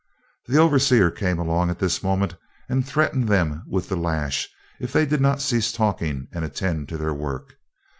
The overseer came along at this moment and threatened them with the lash, if they did not cease talking and attend to their work.